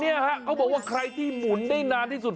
เนี่ยฮะเขาบอกว่าใครที่หมุนได้นานที่สุด